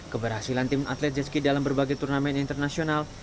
keberhasilan tim atlet jetski dalam berbagai turnamen internasional